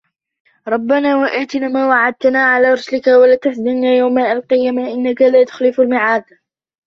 رَبَّنَا وَآتِنَا مَا وَعَدْتَنَا عَلَى رُسُلِكَ وَلَا تُخْزِنَا يَوْمَ الْقِيَامَةِ إِنَّكَ لَا تُخْلِفُ الْمِيعَادَ